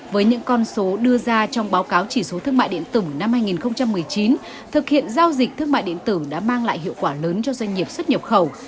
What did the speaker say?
với những con số đưa ra trong báo cáo chỉ số thương mại điện tử năm hai nghìn một mươi chín thực hiện giao dịch thương mại điện tử đã mang lại hiệu quả lớn cho doanh nghiệp xuất nhập khẩu